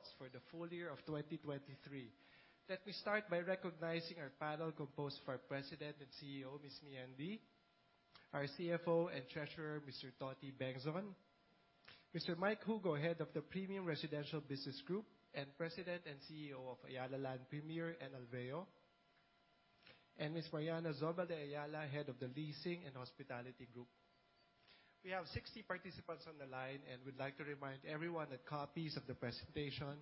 Okay, ladies and gentlemen, good afternoon and welcome to Ayala Land's briefing on our results for the full year of 2023. Let me start by recognizing our panel composed of our President and CEO, Miss Meean Dy, our CFO and Treasurer, Mr. Toti Bengzon, Mr. Mike Jugo, Head of the Premium Residential Business Group and President and CEO of Ayala Land Premier and Alveo Land, and Miss Mariana Zobel de Ayala, Head of the Leasing and Hospitality Group. We have 60 participants on the line, and we'd like to remind everyone that copies of the presentation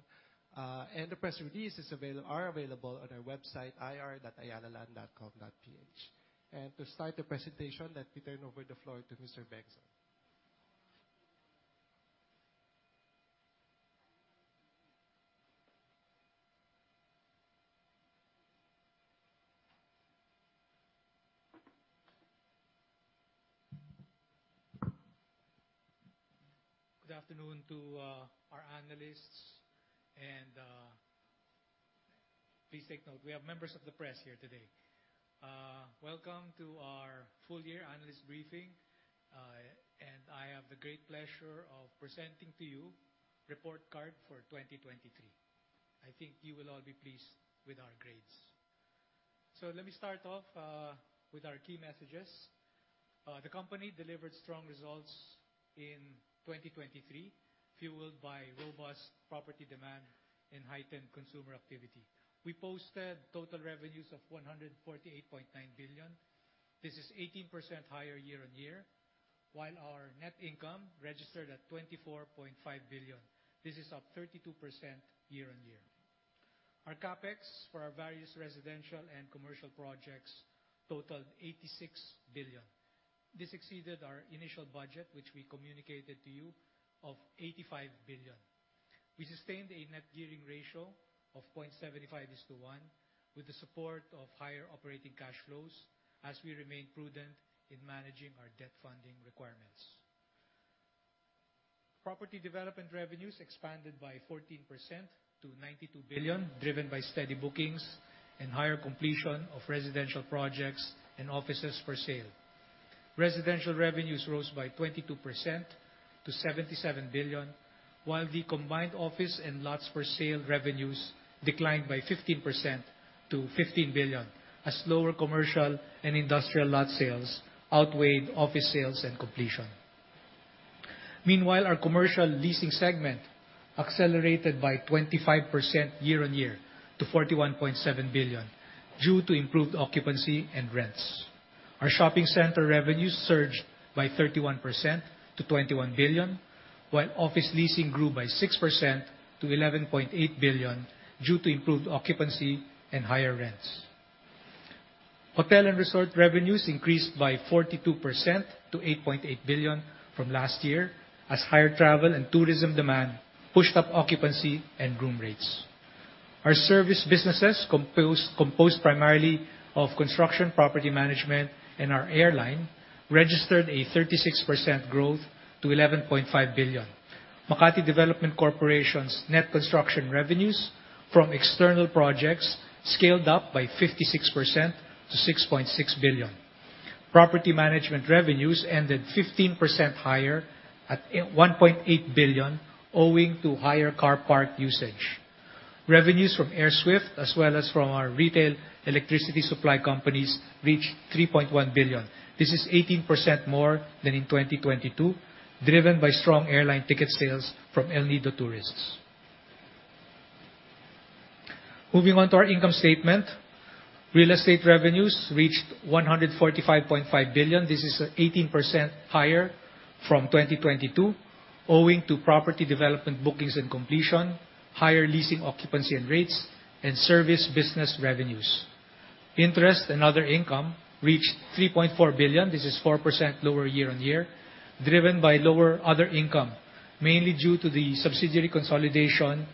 and the press release are available on our website, ir.ayalaland.com.ph. To start the presentation, let me turn over the floor to Mr. Bengzon. Good afternoon to our analysts, and please take note, we have members of the press here today. Welcome to our full year analyst briefing. I have the great pleasure of presenting to you report card for 2023. I think you will all be pleased with our grades. Let me start off with our key messages. The company delivered strong results in 2023, fueled by robust property demand and heightened consumer activity. We posted total revenues of 148.9 billion. This is 18% higher year-on-year, while our net income registered at 24.5 billion. This is up 32% year-on-year. Our CapEx for our various residential and commercial projects totaled 86 billion. This exceeded our initial budget, which we communicated to you of 85 billion. We sustained a net gearing ratio of 0.75:1 with the support of higher operating cash flows as we remain prudent in managing our debt funding requirements. Property development revenues expanded by 14% to 92 billion, driven by steady bookings and higher completion of residential projects and offices for sale. Residential revenues rose by 22% to 77 billion, while the combined office and lots-for-sale revenues declined by 15% to 15 billion, as slower commercial and industrial lot sales outweighed office sales and completion. Meanwhile, our commercial leasing segment accelerated by 25% year-on-year to 41.7 billion due to improved occupancy and rents. Our shopping center revenues surged by 31% to PHP 21 billion, while office leasing grew by 6% to 11.8 billion due to improved occupancy and higher rents. Hotel and resort revenues increased by 42% to 8.8 billion from last year as higher travel and tourism demand pushed up occupancy and room rates. Our service businesses composed primarily of construction property management and our airline registered a 36% growth to 11.5 billion. Makati Development Corporation's net construction revenues from external projects scaled up by 56% to 6.6 billion. Property management revenues ended 15% higher at 1.8 billion owing to higher car park usage. Revenues from AirSWIFT as well as from our retail electricity supply companies reached 3.1 billion. This is 18% more than in 2022, driven by strong airline ticket sales from El Nido tourists. Moving on to our income statement. Real estate revenues reached 145.5 billion. This is 18% higher from 2022 owing to property development bookings and completion, higher leasing occupancy and rates, and service business revenues. Interest and other income reached 3.4 billion. This is 4% lower year-on-year, driven by lower other income, mainly due to the subsidiary consolidation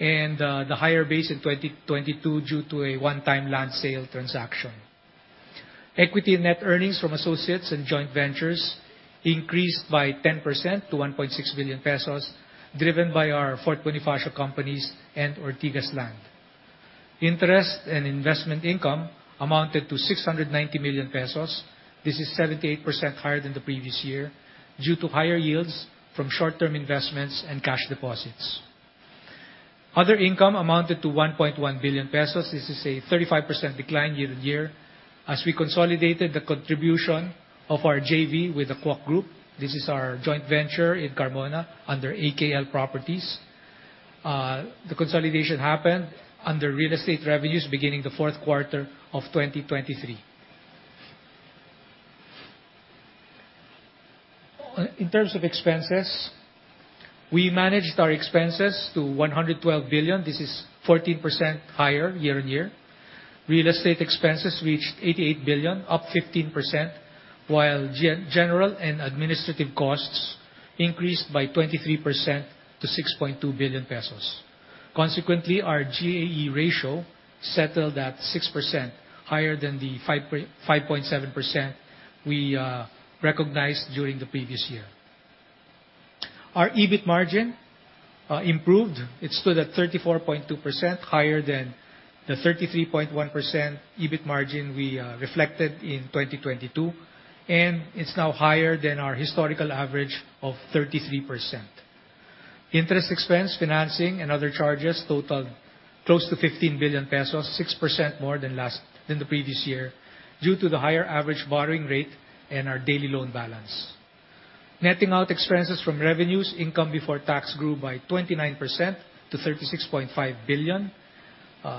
and the higher base in 2022 due to a one-time land sale transaction. Equity net earnings from associates and joint ventures increased by 10% to 1.6 billion pesos, driven by our Fort Bonifacio companies and Ortigas Land. Interest and investment income amounted to 690 million pesos. This is 78% higher than the previous year due to higher yields from short-term investments and cash deposits. Other income amounted to 1.1 billion pesos. This is a 35% decline year-on-year as we consolidated the contribution of our JV with the Kuok Group. This is our joint venture in Carmona under AKL Properties. The consolidation happened under real estate revenues beginning the fourth quarter of 2023. In terms of expenses, we managed our expenses to 112 billion. This is 14% higher year-on-year. Real estate expenses reached 88 billion, up 15%, while general and administrative costs increased by 23% to 6.2 billion pesos. Consequently, our GAE ratio settled at 6%, higher than the 5.7% we recognized during the previous year. Our EBIT margin improved. It stood at 34.2%, higher than the 33.1% EBIT margin we reflected in 2022, and it is now higher than our historical average of 33%. Interest expense, financing, and other charges totaled close to 15 billion pesos, 6% more than the previous year due to the higher average borrowing rate and our daily loan balance. Netting out expenses from revenues, income before tax grew by 29% to PHP 36.5 billion.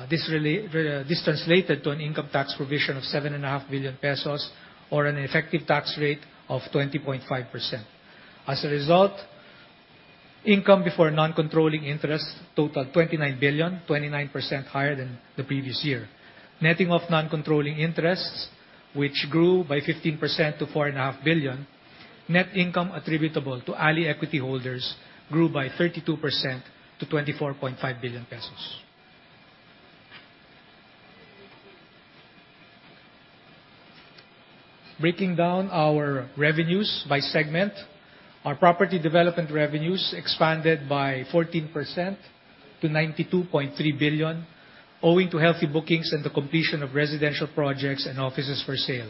This translated to an income tax provision of 7.5 billion pesos or an effective tax rate of 20.5%. As a result, income before non-controlling interests totaled 29 billion, 29% higher than the previous year. Netting off non-controlling interests, which grew by 15% to 4.5 billion, net income attributable to ALI equity holders grew by 32% to 24.5 billion pesos. Breaking down our revenues by segment, our property development revenues expanded by 14% to 92.3 billion, owing to healthy bookings and the completion of residential projects and offices for sale.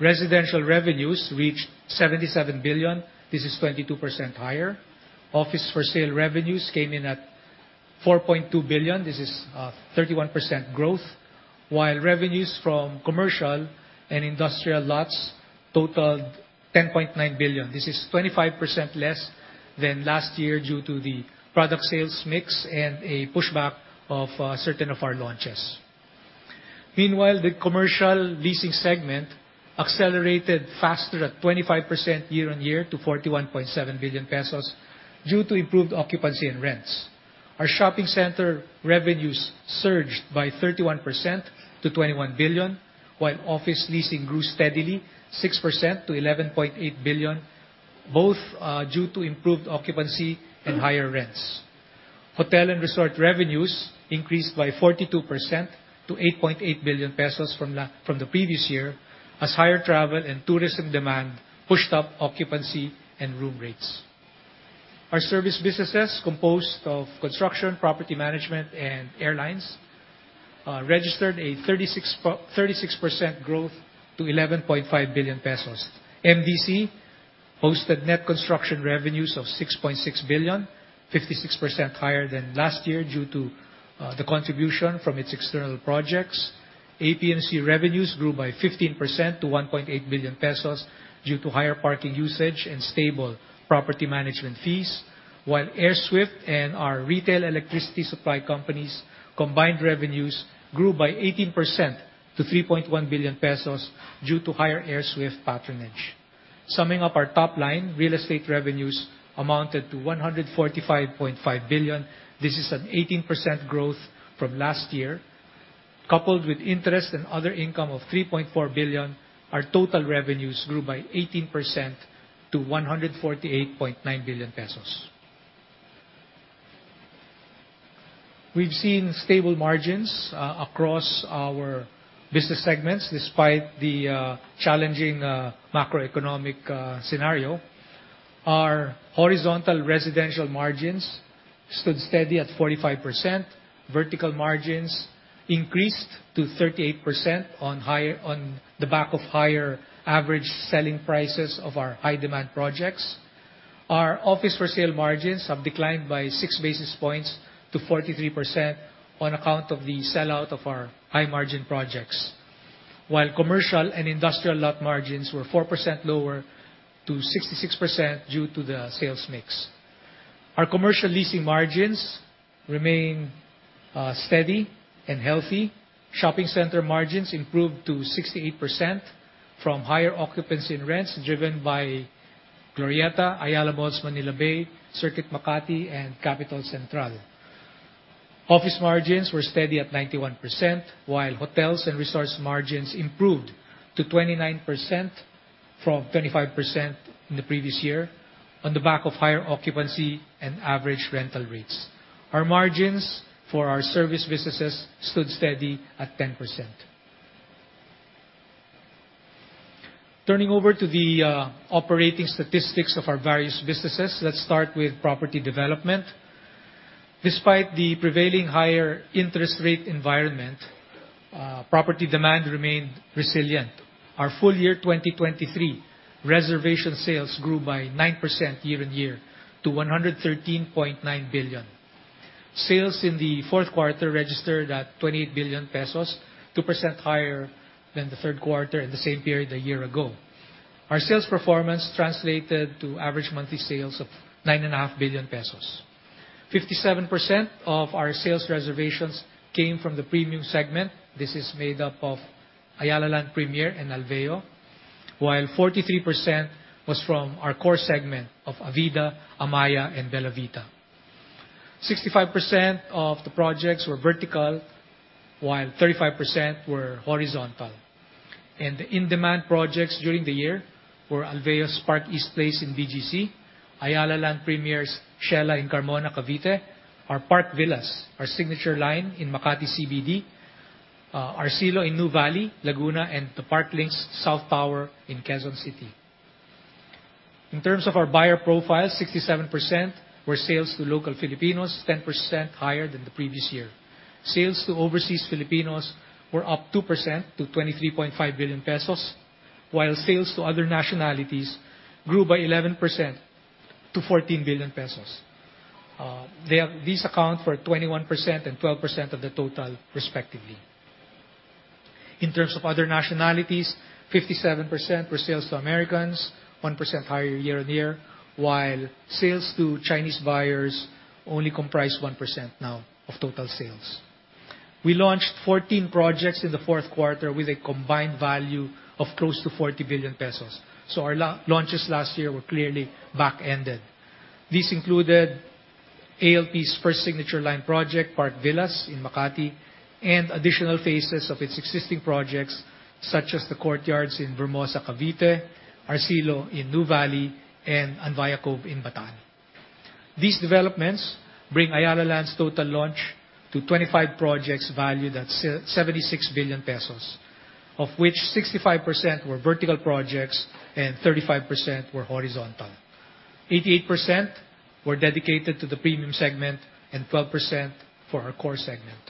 Residential revenues reached 77 billion. This is 22% higher. Office for sale revenues came in at 4.2 billion. This is 31% growth. Revenues from commercial and industrial lots totaled 10.9 billion. This is 25% less than last year due to the product sales mix and a pushback of certain of our launches. Meanwhile, the commercial leasing segment accelerated faster at 25% year-on-year to 41.7 billion pesos due to improved occupancy and rents. Our shopping center revenues surged by 31% to 21 billion, while office leasing grew steadily 6% to 11.8 billion, both due to improved occupancy and higher rents. Hotel and resort revenues increased by 42% to 8.8 billion pesos from the previous year as higher travel and tourism demand pushed up occupancy and room rates. Our service businesses, composed of construction, property management, and airlines, registered a 36% growth to 11.5 billion pesos. MDC posted net construction revenues of 6.6 billion, 56% higher than last year due to the contribution from its external projects. APNC revenues grew by 15% to 1.8 billion pesos due to higher parking usage and stable property management fees, while AirSWIFT and our retail electricity supply company's combined revenues grew by 18% to 3.1 billion pesos due to higher AirSWIFT patronage. Summing up our top line, real estate revenues amounted to 145.5 billion. This is an 18% growth from last year. Coupled with interest and other income of 3.4 billion, our total revenues grew by 18% to 148.9 billion pesos. We've seen stable margins across our business segments despite the challenging macroeconomic scenario. Our horizontal residential margins stood steady at 45%. Vertical margins increased to 38% on the back of higher average selling prices of our high-demand projects. Our office for sale margins have declined by six basis points to 43% on account of the sell-out of our high-margin projects, while commercial and industrial lot margins were 4% lower to 66% due to the sales mix. Our commercial leasing margins remain steady and healthy. Shopping center margins improved to 68% from higher occupancy and rents, driven by Glorietta, Ayala Malls Manila Bay, Circuit Makati, and Capitol Central. Office margins were steady at 91%, while hotels and resort margins improved to 29% from 25% in the previous year on the back of higher occupancy and average rental rates. Our margins for our service businesses stood steady at 10%. Turning over to the operating statistics of our various businesses, let's start with property development. Despite the prevailing higher interest rate environment, property demand remained resilient. Our full year 2023 reservation sales grew by 9% year-on-year to 113.9 billion. Sales in the fourth quarter registered at 28 billion pesos, 2% higher than the third quarter and the same period a year ago. Our sales performance translated to average monthly sales of 9.5 billion pesos. 57% of our sales reservations came from the premium segment. This is made up of Ayala Land Premier and Alveo, while 43% was from our core segment of Avida, Amaia, and BellaVita. 65% of the projects were vertical, while 35% were horizontal. The in-demand projects during the year were Alveo's Park East Place in BGC, Ayala Land Premier's Ciela in Carmona, Cavite, our Park Villas, our signature line in Makati CBD. Arcillo in Nuvali, Laguna, and The Parklinks South Tower in Quezon City. In terms of our buyer profile, 67% were sales to local Filipinos, 10% higher than the previous year. Sales to overseas Filipinos were up 2% to 23.5 billion pesos, while sales to other nationalities grew by 11% to 14 billion pesos. These account for 21% and 12% of the total respectively. In terms of other nationalities, 57% were sales to Americans, 1% higher year-on-year, while sales to Chinese buyers only comprise 1% now of total sales. We launched 14 projects in the fourth quarter with a combined value of close to 40 billion pesos. Our launches last year were clearly back-ended. This included ALP's first signature line project, Park Villas in Makati, and additional phases of its existing projects such as The Courtyards in Vermosa, Cavite, Arcillo in Nuvali, and Anvaya Cove in Bataan. These developments bring Ayala Land's total launch to 25 projects valued at 76 billion pesos, of which 65% were vertical projects and 35% were horizontal. 88% were dedicated to the premium segment and 12% for our core segment.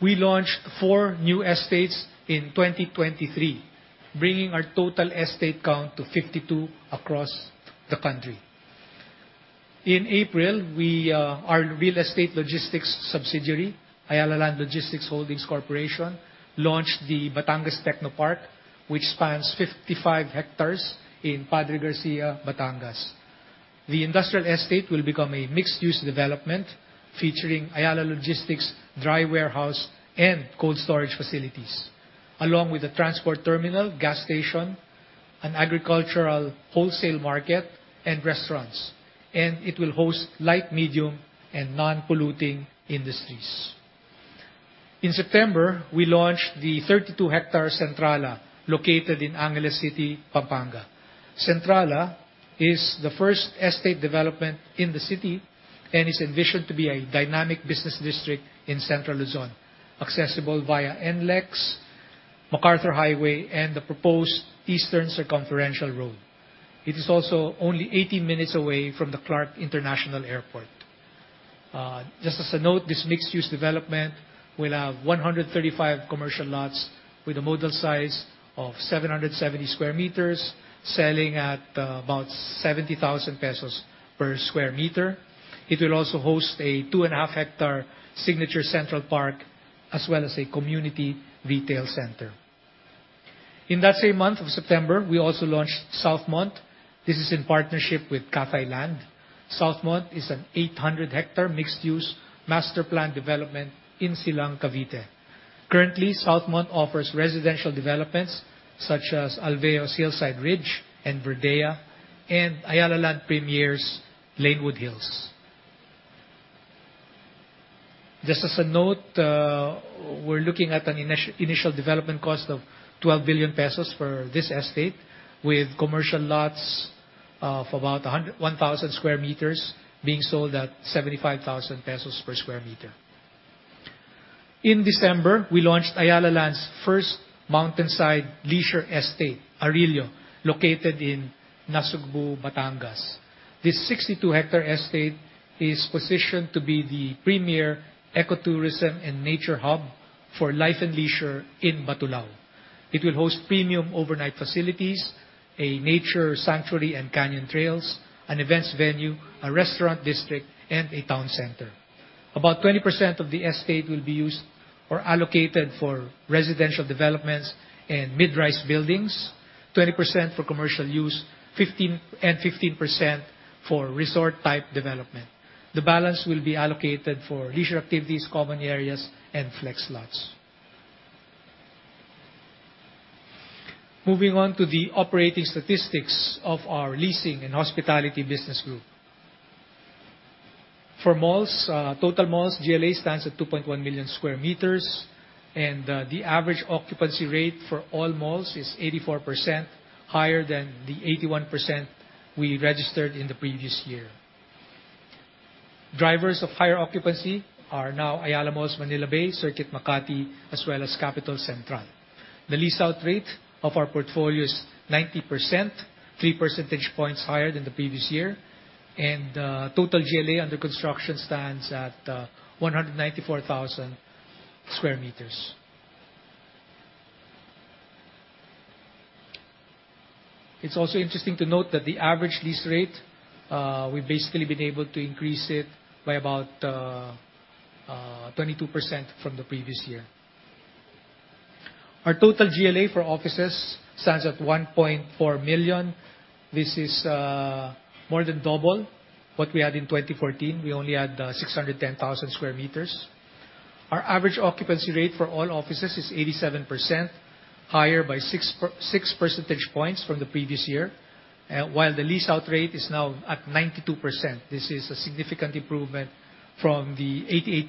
We launched 4 new estates in 2023, bringing our total estate count to 52 across the country. In April, our real estate logistics subsidiary, AyalaLand Logistics Holdings Corp., launched the Batangas Techno Park, which spans 55 hectares in Padre Garcia, Batangas. The industrial estate will become a mixed-use development featuring Ayala Logistics dry warehouse and cold storage facilities, along with a transport terminal, gas station, an agricultural wholesale market, and restaurants, and it will host light, medium, and non-polluting industries. In September, we launched the 32-hectare Centrala located in Angeles City, Pampanga. Centrala is the first estate development in the city and is envisioned to be a dynamic business district in Central Luzon, accessible via NLEX, MacArthur Highway, and the proposed Eastern Circumferential Road. It is also only 18 minutes away from the Clark International Airport. Just as a note, this mixed-use development will have 135 commercial lots with a model size of 770 sq m selling at about 70,000 pesos per sq m. It will also host a two and a half hectare signature central park as well as a community retail center. In that same month of September, we also launched Southmont. This is in partnership with Cathay Land. Southmont is an 800-hectare mixed-use master plan development in Silang, Cavite. Currently, Southmont offers residential developments such as Alveo's Hillside Ridge and Verdea and Ayala Land Premier's Lanewood Hills. Just as a note, we're looking at an initial development cost of 12 billion pesos for this estate with commercial lots of about 1,000 sq m being sold at 75,000 pesos per sq m. In December, we launched Ayala Land's first mountainside leisure estate, Arillo, located in Nasugbu, Batangas. This 62-hectare estate is positioned to be the premier ecotourism and nature hub for life and leisure in Batulao. It will host premium overnight facilities, a nature sanctuary and canyon trails, an events venue, a restaurant district, and a town center. About 20% of the estate will be used or allocated for residential developments and mid-rise buildings, 20% for commercial use, and 15% for resort-type development. The balance will be allocated for leisure activities, common areas, and flex lots. Moving on to the operating statistics of our leasing and hospitality business group. For malls, total malls GLA stands at 2.1 million sq m, and the average occupancy rate for all malls is 84%, higher than the 81% we registered in the previous year. Drivers of higher occupancy are now Ayala Malls Manila Bay, Circuit Makati, as well as Capitol Central. The lease-out rate of our portfolio is 90%, 3 percentage points higher than the previous year, and total GLA under construction stands at 194,000 sq m. It's also interesting to note that the average lease rate we've basically been able to increase it by about 22% from the previous year. Our total GLA for offices stands at 1.4 million. This is more than double what we had in 2014. We only had 610,000 sq m. Our average occupancy rate for all offices is 87%, higher by 6 percentage points from the previous year, while the lease-out rate is now at 92%. This is a significant improvement from the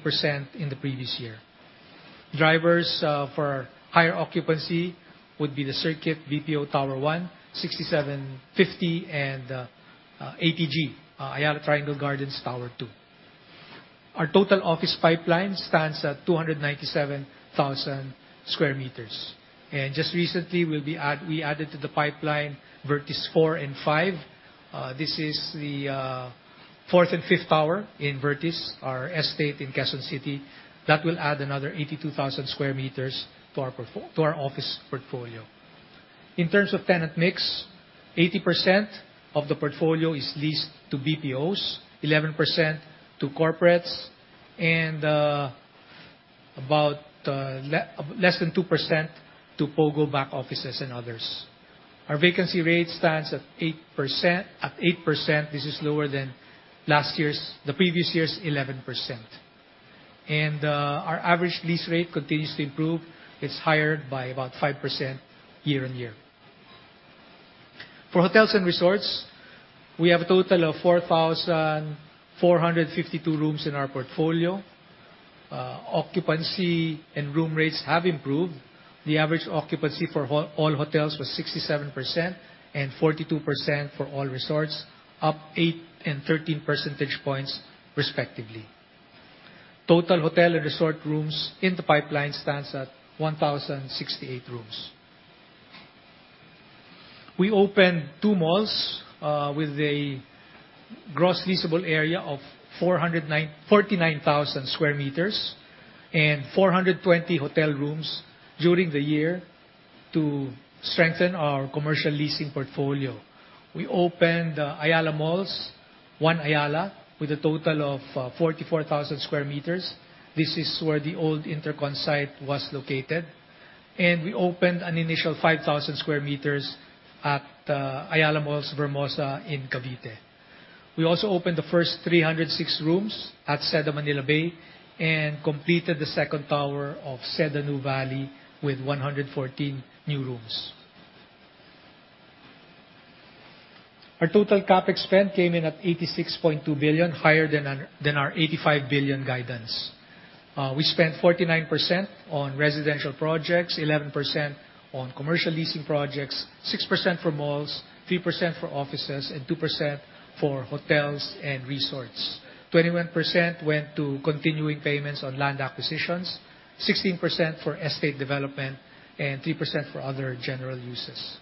88% in the previous year. Drivers for higher occupancy would be the Circuit Corporate Center One, 6750, and ATG, Ayala Triangle Gardens Tower Two. Our total office pipeline stands at 297,000 sq m. Just recently, we added to the pipeline Vertis Corporate Center Towers Four and Five. This is the fourth and fifth tower in Vertis, our estate in Quezon City, that will add another 82,000 sq m to our office portfolio. In terms of tenant mix, 80% of the portfolio is leased to BPOs, 11% to corporates, and about less than 2% to POGO back offices and others. Our vacancy rate stands at 8%. This is lower than the previous year's 11%. Our average lease rate continues to improve. It's higher by about 5% year-on-year. For hotels and resorts, we have a total of 4,452 rooms in our portfolio. Occupancy and room rates have improved. The average occupancy for all hotels was 67% and 42% for all resorts, up 8 and 13 percentage points respectively. Total hotel and resort rooms in the pipeline stands at 1,068 rooms. We opened 2 malls with a gross leasable area of 49,000 sq m and 420 hotel rooms during the year to strengthen our commercial leasing portfolio. We opened Ayala Malls, One Ayala, with a total of 44,000 sq m. This is where the old Intercon site was located. We opened an initial 5,000 sq m at Ayala Malls Vermosa in Cavite. We also opened the first 306 rooms at Seda Manila Bay and completed the second tower of Seda Nuvali with 114 new rooms. Our total CapEx spend came in at 86.2 billion, higher than our 85 billion guidance. We spent 49% on residential projects, 11% on commercial leasing projects, 6% for malls, 3% for offices, and 2% for hotels and resorts. 21% went to continuing payments on land acquisitions, 16% for estate development, and 3% for other general uses.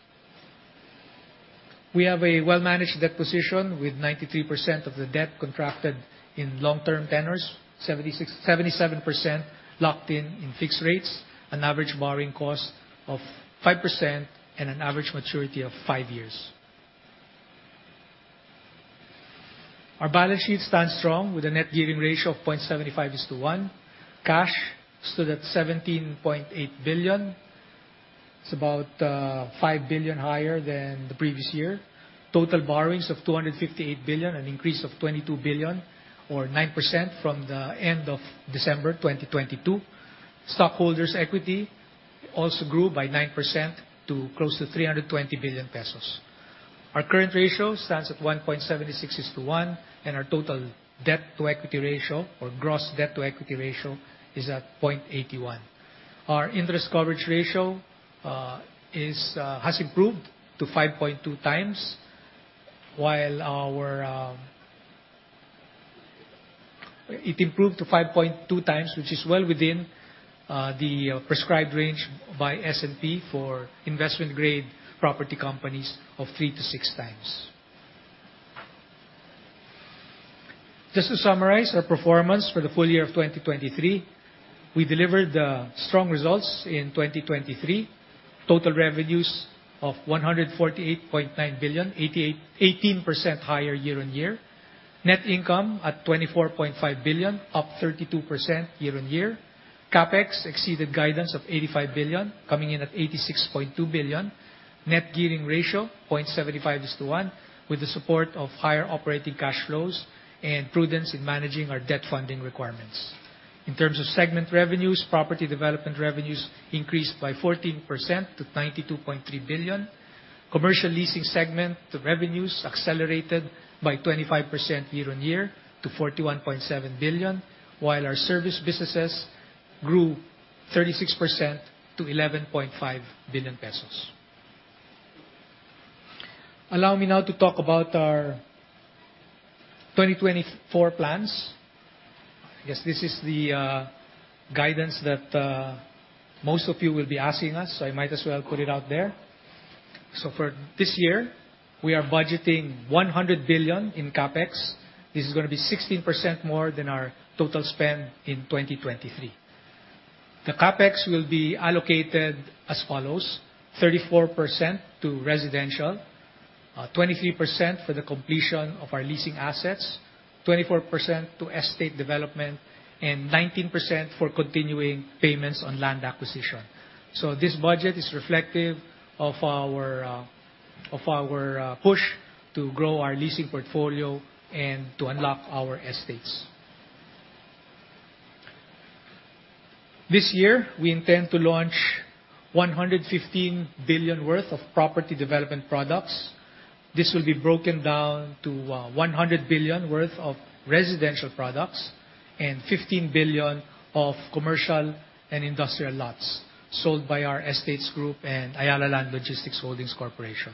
We have a well-managed debt position with 93% of the debt contracted in long-term tenors, 77% locked in in fixed rates, an average borrowing cost of 5%, and an average maturity of 5 years. Our balance sheet stands strong with a net gearing ratio of 0.75:1. Cash stood at 17.8 billion. It is about 5 billion higher than the previous year. Total borrowings of 258 billion, an increase of 22 billion or 9% from the end of December 2022. Stockholders' equity also grew by 9% to close to 320 billion pesos. Our current ratio stands at 1.76:1, our total debt to equity ratio or gross debt to equity ratio is at 0.81. Our interest coverage ratio has improved to 5.2 times, which is well within the prescribed range by S&P for investment-grade property companies of 3 to 6 times. Just to summarize our performance for the full year of 2023, we delivered strong results in 2023. Total revenues of 148.9 billion, 18% higher year-over-year. Net income at 24.5 billion, up 32% year-over-year. CapEx exceeded guidance of 85 billion, coming in at 86.2 billion. Net gearing ratio, 0.75:1, with the support of higher operating cash flows and prudence in managing our debt funding requirements. In terms of segment revenues, property development revenues increased by 14% to 92.3 billion. Commercial leasing segment, the revenues accelerated by 25% year-over-year to 41.7 billion, while our service businesses grew 36% to 11.5 billion pesos. Allow me now to talk about our 2024 plans. I guess this is the guidance that most of you will be asking us, so I might as well put it out there. For this year, we are budgeting 100 billion in CapEx. This is going to be 16% more than our total spend in 2023. The CapEx will be allocated as follows: 34% to residential, 23% for the completion of our leasing assets, 24% to estate development, and 19% for continuing payments on land acquisition. This budget is reflective of our push to grow our leasing portfolio and to unlock our estates. This year, we intend to launch 115 billion worth of property development products. This will be broken down to 100 billion worth of residential products and 15 billion of commercial and industrial lots sold by our estates group and AyalaLand Logistics Holdings Corp. 80%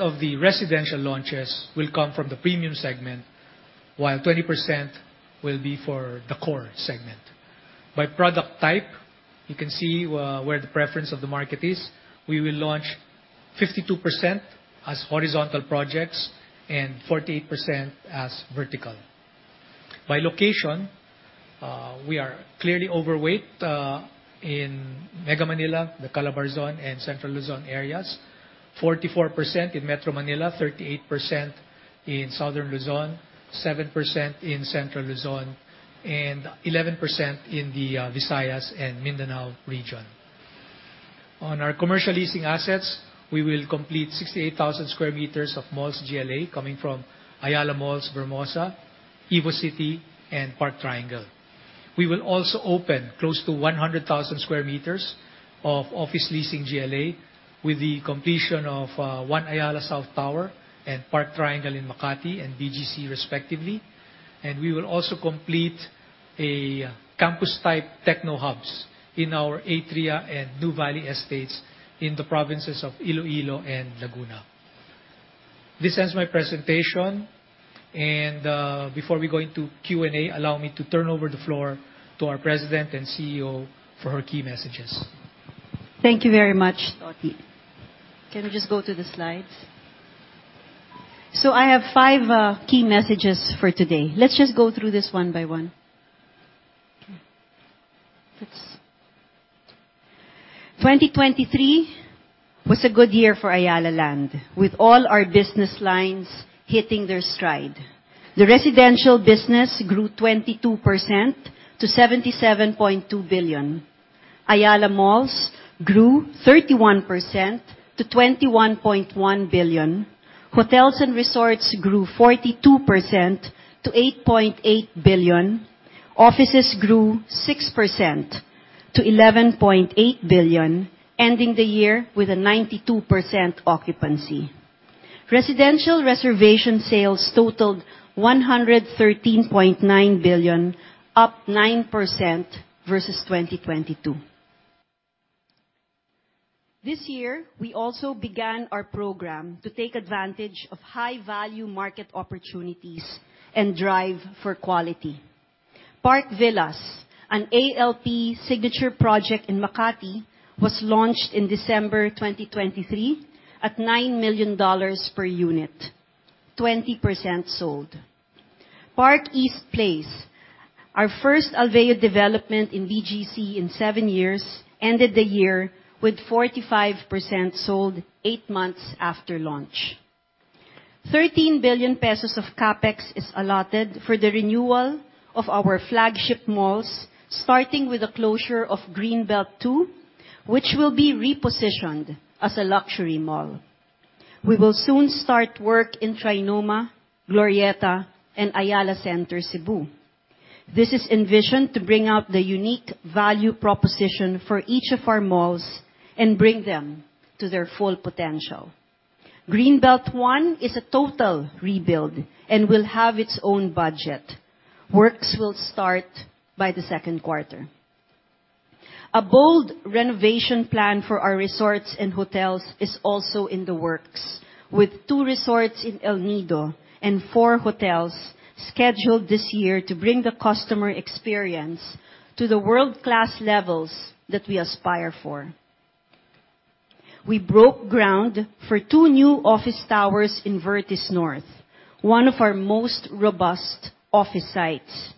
of the residential launches will come from the premium segment, while 20% will be for the core segment. By product type, you can see where the preference of the market is. We will launch 52% as horizontal projects and 48% as vertical. By location, we are clearly overweight in Mega Manila, the Calabarzon, and Central Luzon areas, 44% in Metro Manila, 38% in Southern Luzon, 7% in Central Luzon, and 11% in the Visayas and Mindanao region. On our commercial leasing assets, we will complete 68,000 sq m of malls GLA coming from Ayala Malls Vermosa, Evo City, and Park Triangle. We will also open close to 100,000 sq m of office leasing GLA with the completion of One Ayala South Tower and Park Triangle in Makati and BGC, respectively. We will also complete a campus-type techno hubs in our Atria and Nuvali estates in the provinces of Iloilo and Laguna. This ends my presentation. Before we go into Q&A, allow me to turn over the floor to our President and CEO for her key messages. Thank you very much, Totie. Can we just go to the slides? I have five key messages for today. Let's just go through this one by one. 2023 was a good year for Ayala Land, with all our business lines hitting their stride. The residential business grew 22% to 77.2 billion. Ayala Malls grew 31% to 21.1 billion. Hotels and resorts grew 42% to 8.8 billion. Offices grew 6% to 11.8 billion, ending the year with a 92% occupancy. Residential reservation sales totaled 113.9 billion, up 9% versus 2022. This year, we also began our program to take advantage of high-value market opportunities and drive for quality. Park Villas, an ALP signature project in Makati, was launched in December 2023 at $9 million per unit. 20% sold. Park East Place, our first Alveo development in BGC in seven years, ended the year with 45% sold eight months after launch. 13 billion pesos of CapEx is allotted for the renewal of our flagship malls, starting with the closure of Greenbelt II, which will be repositioned as a luxury mall. We will soon start work in Trinoma, Glorietta, and Ayala Center Cebu. This is envisioned to bring out the unique value proposition for each of our malls and bring them to their full potential. Greenbelt I is a total rebuild and will have its own budget. Works will start by the second quarter. A bold renovation plan for our resorts and hotels is also in the works, with two resorts in El Nido and four hotels scheduled this year to bring the customer experience to the world-class levels that we aspire for. We broke ground for two new office towers in Vertis North, one of our most robust office sites.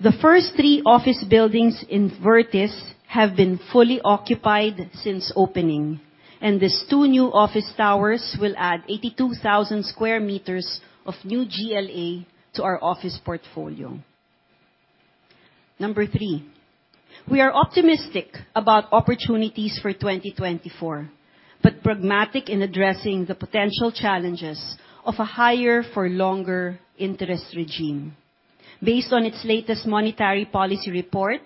The first three office buildings in Vertis have been fully occupied since opening, these two new office towers will add 82,000 sq m of new GLA to our office portfolio. Number three, we are optimistic about opportunities for 2024, but pragmatic in addressing the potential challenges of a higher-for-longer interest regime. Based on its latest monetary policy report,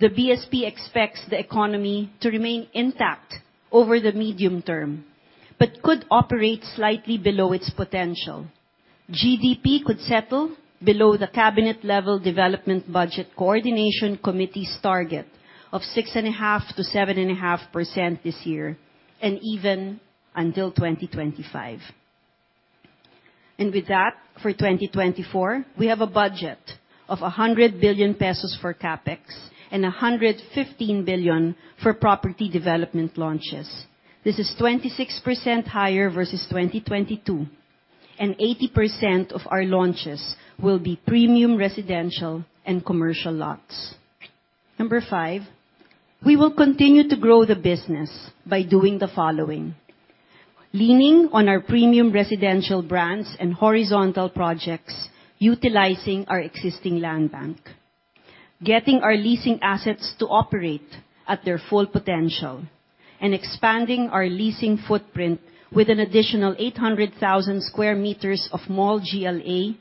the BSP expects the economy to remain intact over the medium term, but could operate slightly below its potential. GDP could settle below the Cabinet Level Development Budget Coordination Committee's target of 6.5%-7.5% this year and even until 2025. With that, for 2024, we have a budget of 100 billion pesos for CapEx and 115 billion for property development launches. This is 26% higher versus 2022, 80% of our launches will be premium residential and commercial lots. Number five, we will continue to grow the business by doing the following. Leaning on our premium residential brands and horizontal projects, utilizing our existing land bank. Getting our leasing assets to operate at their full potential. Expanding our leasing footprint with an additional 800,000 sq m of mall GLA,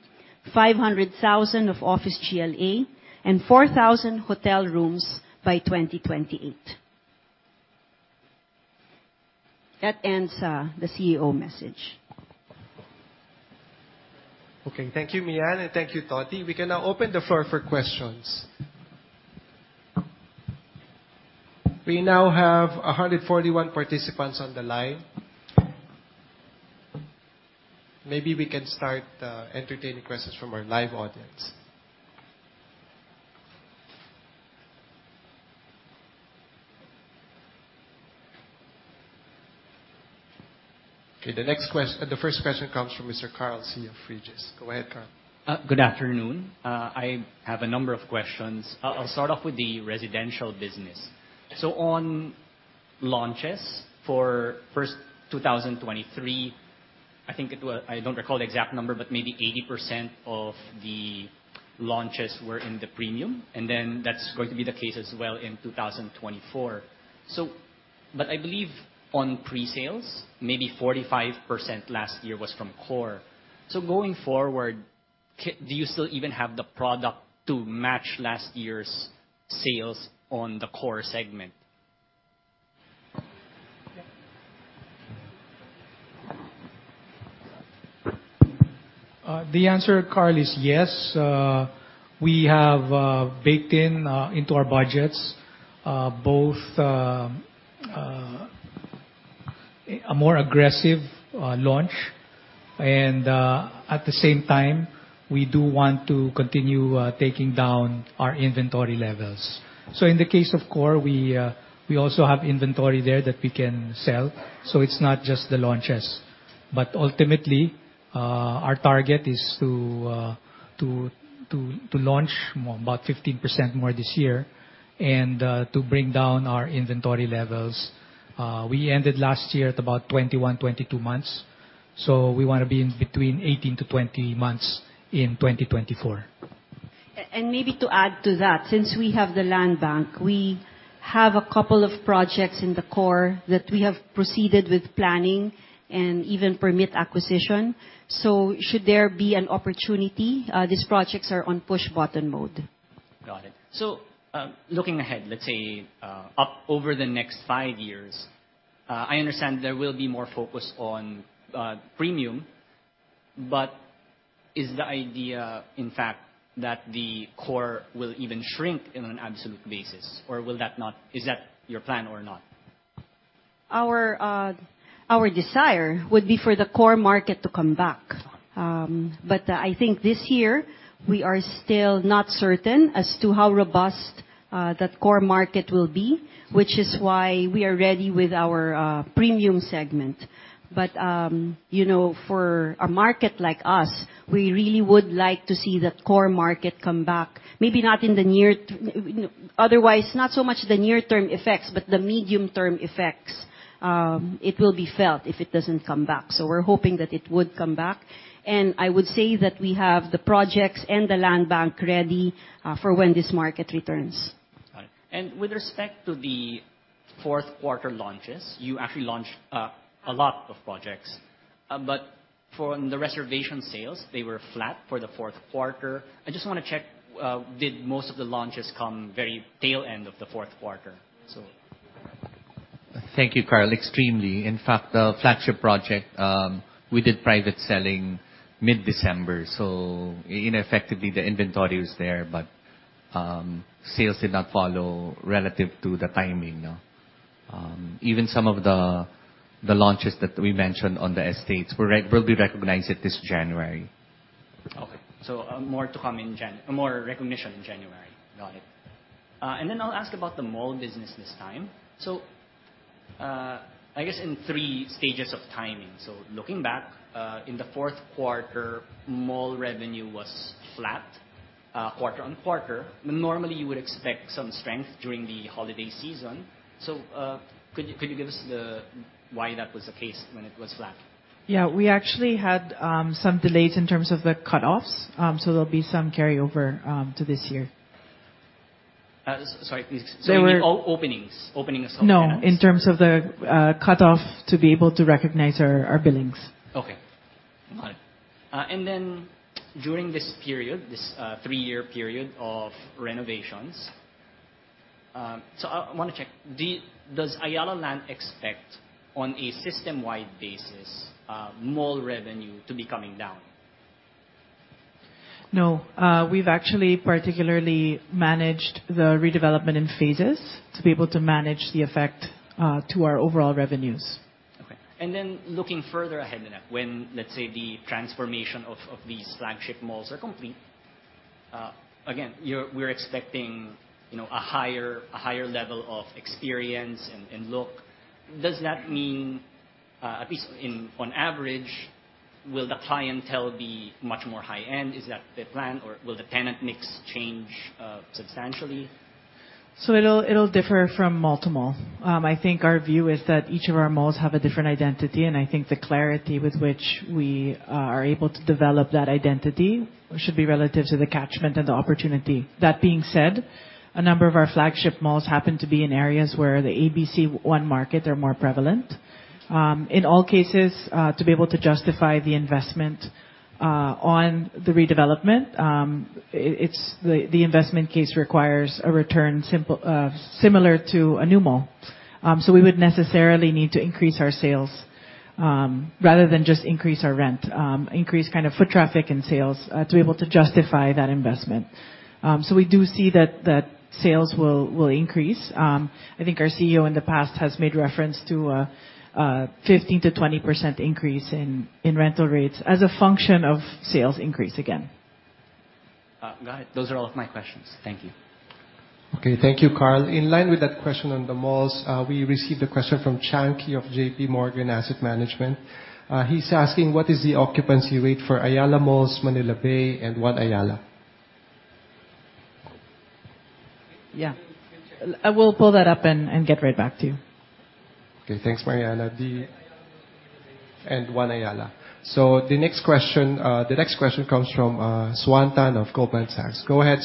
500,000 sq m of office GLA, and 4,000 hotel rooms by 2028. That ends the CEO message. Okay. Thank you, Mian, and thank you, Toti. We can now open the floor for questions. We now have 141 participants on the line. Maybe we can start entertaining questions from our live audience. Okay, the first question comes from Mr. Carl Chia-Rung Chien. Go ahead, Carl. Good afternoon. I have a number of questions. I'll start off with the residential business. On launches for first 2023, I don't recall the exact number, but maybe 80% of the launches were in the premium, then that's going to be the case as well in 2024. I believe on pre-sales, maybe 45% last year was from core. Going forward, do you still even have the product to match last year's sales on the core segment? The answer, Carl, is yes. We have baked in, into our budgets, both a more aggressive launch and at the same time, we do want to continue taking down our inventory levels. In the case of core, we also have inventory there that we can sell, so it's not just the launches. Ultimately, our target is to launch about 15% more this year and to bring down our inventory levels. We ended last year at about 21, 22 months, so we want to be between 18-20 months in 2024. Maybe to add to that, since we have the land bank, we have a couple of projects in the core that we have proceeded with planning and even permit acquisition. Should there be an opportunity, these projects are on push button mode. Got it. Looking ahead, let's say up over the next five years, I understand there will be more focus on premium, is the idea, in fact, that the core will even shrink in an absolute basis? Is that your plan or not? Our desire would be for the core market to come back. I think this year, we are still not certain as to how robust that core market will be, which is why we are ready with our premium segment. For a market like us, we really would like to see that core market come back. Otherwise, not so much the near-term effects, but the medium-term effects it will be felt if it doesn't come back. We're hoping that it would come back. I would say that we have the projects and the land bank ready for when this market returns. Got it. With respect to the fourth quarter launches, you actually launched a lot of projects. From the reservation sales, they were flat for the fourth quarter. I just want to check, did most of the launches come very tail end of the fourth quarter? Thank you, Carl. Extremely. In fact, the flagship project we did private selling mid-December, so in effectively the inventory was there, sales did not follow relative to the timing. Even some of the launches that we mentioned on the estates will be recognized at this January. Okay. More recognition in January. Got it. Then I'll ask about the mall business this time. I guess in 3 stages of timing. Looking back, in the fourth quarter, mall revenue was flat quarter-on-quarter. Normally, you would expect some strength during the holiday season. Could you give us why that was the case when it was flat? Yeah. We actually had some delays in terms of the cutoffs, so there'll be some carryover to this year. Sorry, please. You mean openings. Opening of some kind? No, in terms of the cutoff to be able to recognize our billings. Okay. Got it. Then during this period, this three-year period of renovations, I want to check. Does Ayala Land expect, on a system-wide basis, mall revenue to be coming down? No. We've actually particularly managed the redevelopment in phases to be able to manage the effect to our overall revenues. Okay. Looking further ahead, when, let's say, the transformation of these flagship malls are complete, again, we're expecting a higher level of experience and look. Does that mean, at least on average, will the clientele be much more high-end? Is that the plan, or will the tenant mix change substantially? It'll differ from mall to mall. I think our view is that each of our malls have a different identity, and I think the clarity with which we are able to develop that identity should be relative to the catchment and the opportunity. That being said. A number of our flagship malls happen to be in areas where the ABC 1 markets are more prevalent. In all cases, to be able to justify the investment on the redevelopment, the investment case requires a return similar to a new mall. We would necessarily need to increase our sales rather than just increase our rent. Increase foot traffic and sales to be able to justify that investment. We do see that sales will increase. I think our CEO in the past has made reference to a 15%-20% increase in rental rates as a function of sales increase again. Got it. Those are all of my questions. Thank you. Okay. Thank you, Carl. In line with that question on the malls, we received a question from Chanki of J.P. Morgan Asset Management. He's asking what is the occupancy rate for Ayala Malls, Manila Bay, and One Ayala. Yeah. I will pull that up and get right back to you. Okay. Thanks, Mariana. Ayala Malls, Manila Bay. One Ayala. The next question comes from Suhan Tan of Goldman Sachs. Go ahead,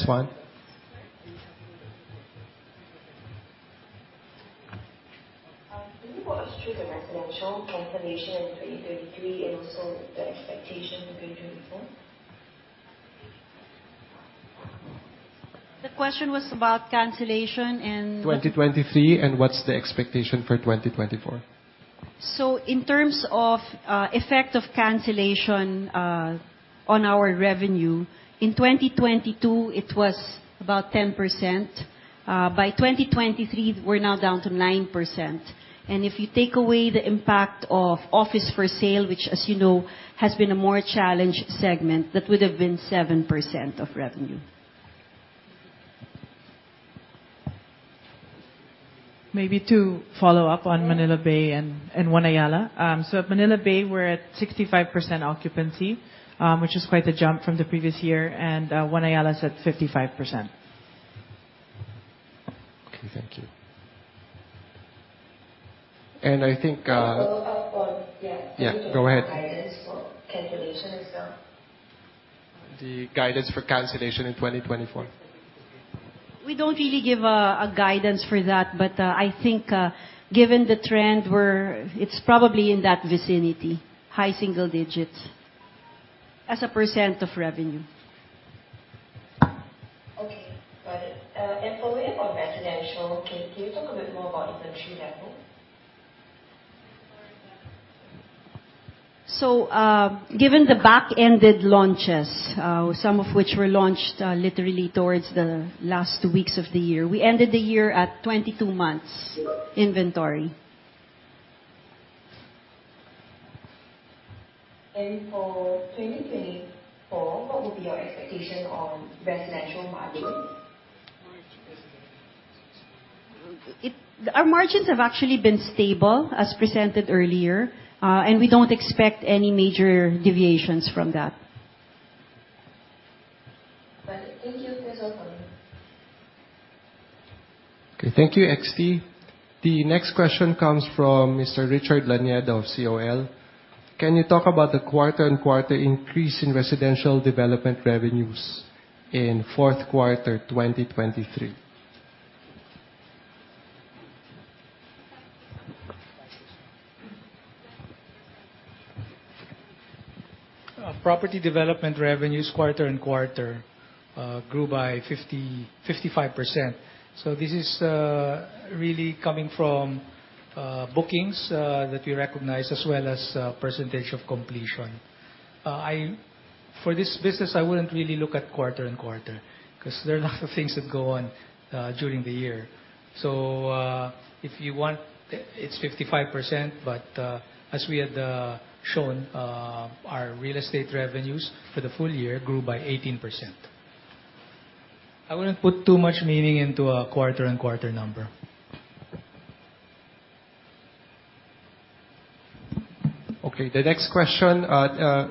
Suhan. Can you walk us through the residential cancellation in 2023, and also the expectation for 2024? The question was about cancellation in- 2023, and what's the expectation for 2024. In terms of effect of cancellation on our revenue, in 2022, it was about 10%. By 2023, we're now down to 9%. If you take away the impact of office for sale, which as you know, has been a more challenged segment, that would've been 7% of revenue. Maybe to follow up on Manila Bay and One Ayala. At Manila Bay, we're at 65% occupancy, which is quite a jump from the previous year. One Ayala's at 55%. Okay, thank you. To follow up on, yeah. Yeah, go ahead. Can you give us guidance for cancellation as well? The guidance for cancellation in 2024. We don't really give a guidance for that. I think, given the trend, it's probably in that vicinity, high single digits as a % of revenue. Okay, got it. Following up on residential, can you talk a bit more about inventory level? Given the back-ended launches, some of which were launched literally towards the last weeks of the year. We ended the year at 22 months inventory. For 2024, what would be your expectation on residential margins? Our margins have actually been stable, as presented earlier. We don't expect any major deviations from that. Got it. Thank you. That's all for me. Okay, thank you, XT. The next question comes from Mr. Richard Laniado of COL. Can you talk about the quarter-on-quarter increase in residential development revenues in fourth quarter 2023? Property development revenues quarter-on-quarter grew by 55%. This is really coming from bookings that we recognize as well as percentage of completion. For this business, I wouldn't really look at quarter-on-quarter because there are a lot of things that go on during the year. If you want, it's 55%, but as we had shown, our real estate revenues for the full year grew by 18%. I wouldn't put too much meaning into a quarter-on-quarter number. Okay. The next question,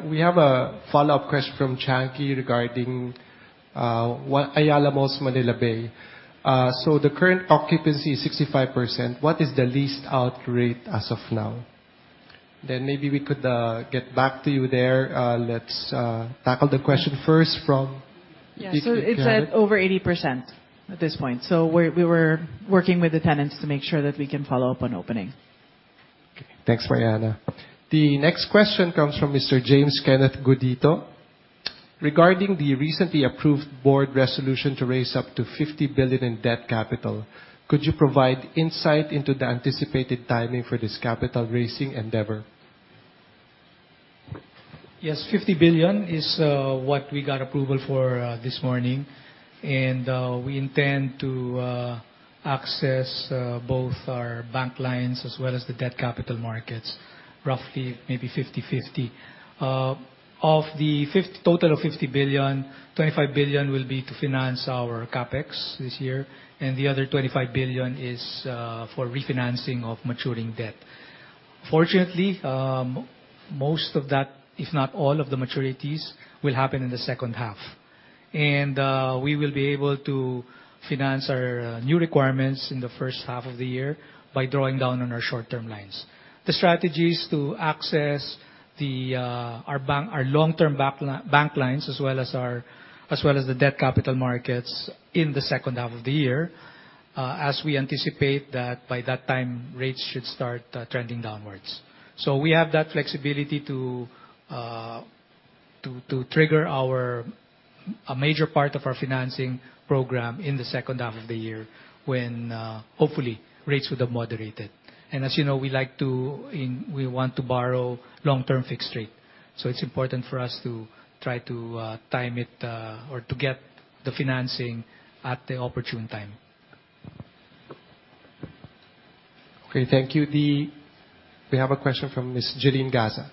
we have a follow-up question from Chanki regarding Ayala Malls, Manila Bay. The current occupancy is 65%. What is the leased out rate as of now? Maybe we could get back to you there. Let's tackle the question first from Yeah DC Panir. It's at over 80% at this point. We were working with the tenants to make sure that we can follow up on opening. Okay. Thanks, Mariana. The next question comes from Mr. James Kenneth Gudito. Regarding the recently approved board resolution to raise up to 50 billion in debt capital, could you provide insight into the anticipated timing for this capital-raising endeavor? Yes, 50 billion is what we got approval for this morning. We intend to access both our bank lines as well as the debt capital markets, roughly maybe 50/50. Of the total of 50 billion, 25 billion will be to finance our CapEx this year, and the other 25 billion is for refinancing of maturing debt. Fortunately, most of that, if not all of the maturities, will happen in the second half. We will be able to finance our new requirements in the first half of the year by drawing down on our short-term lines. The strategy is to access our long-term bank lines, as well as the debt capital markets in the second half of the year, as we anticipate that by that time, rates should start trending downwards. We have that flexibility to trigger a major part of our financing program in the second half of the year when, hopefully, rates would have moderated. As you know, we want to borrow long-term fixed rate. It's important for us to try to time it or to get the financing at the opportune time. Thank you. We have a question from Jelline Gaza.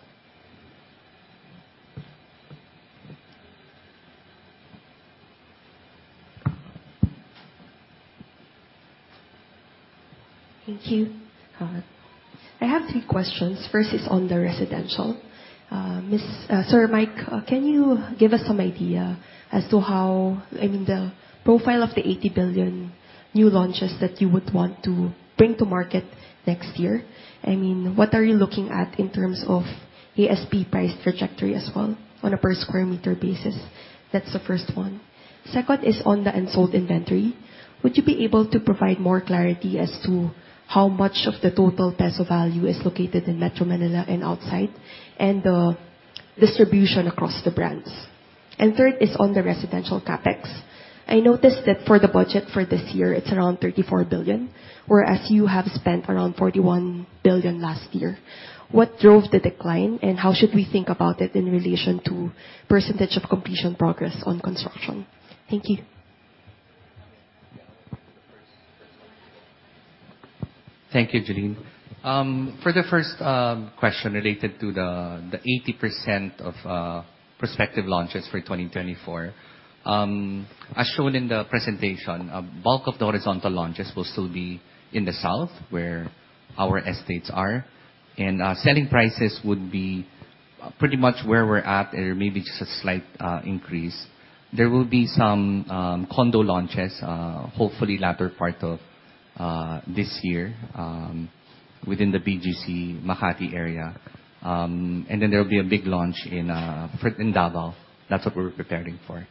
Thank you. I have three questions. First is on the residential. Sir Mike, can you give us some idea as to how the profile of the 80 billion new launches that you would want to bring to market next year? What are you looking at in terms of ASP price trajectory as well on a per sq m basis? That's the first one. Second is on the unsold inventory. Would you be able to provide more clarity as to how much of the total peso value is located in Metro Manila and outside, and the distribution across the brands? Third is on the residential CapEx. I noticed that for the budget for this year, it's around 34 billion, whereas you have spent around 41 billion last year. What drove the decline, and how should we think about it in relation to percentage of completion progress on construction? Thank you. Thank you, Jelline. For the first question related to the 80% of prospective launches for 2024. As shown in the presentation, a bulk of the horizontal launches will still be in the south, where our estates are. Selling prices would be pretty much where we're at or maybe just a slight increase. There will be some condo launches, hopefully latter part of this year, within the BGC Makati area. There will be a big launch in Davao. That's what we're preparing for.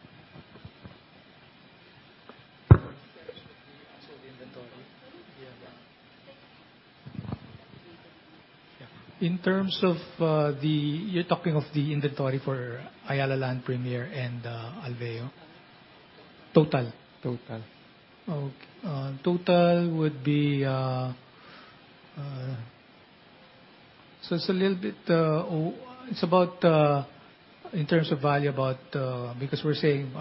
In terms of the You're talking of the inventory for Ayala Land Premier and Alveo? Total. Total. Okay. Total would be it's a little bit In terms of value, about, because we're saying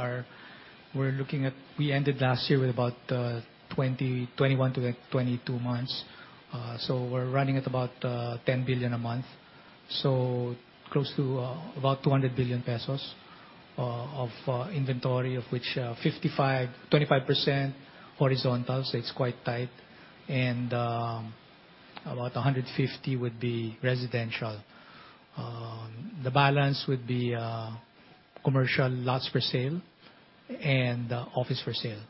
we're looking at, we ended last year with about 20, 21-22 months. We're running at about 10 billion a month. Close to about 200 billion pesos of inventory, of which 25% horizontal, so it's quite tight, and about 150 billion would be residential. The balance would be commercial lots for sale and office for sale.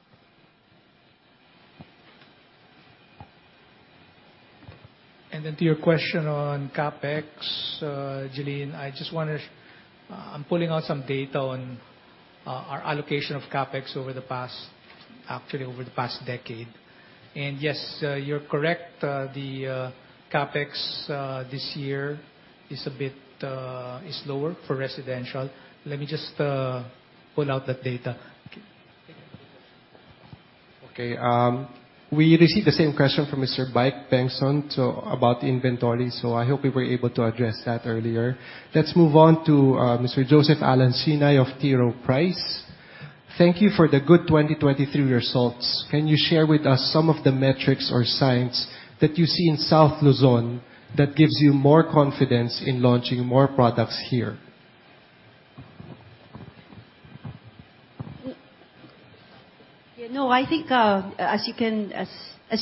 To your question on CapEx, Jelline, I'm pulling out some data on our allocation of CapEx over the past decade. Yes, you're correct, the CapEx this year is a bit lower for residential. Let me just pull out that data. Okay. We received the same question from Mr. Michael R. Bengson about the inventory, so I hope you were able to address that earlier. Let's move on to Mr. Joseph Sinay of T. Rowe Price. Thank you for the good 2023 results. Can you share with us some of the metrics or signs that you see in South Luzon that gives you more confidence in launching more products here? No, I think as